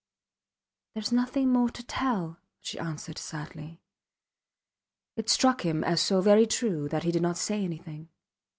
There is nothing more to tell, she answered, sadly. It struck him as so very true that he did not say anything.